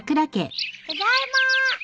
ただいま。